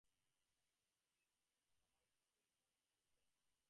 She pleads to be allowed to stay, but goes sadly.